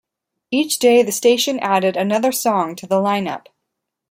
Each day the station added another song to the line up.